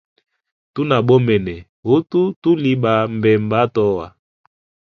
Tuna bomene, hutu tuli ba mbemba atoa.